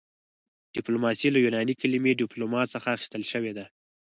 ډیپلوماسي له یوناني کلمې ډیپلوما څخه اخیستل شوې ده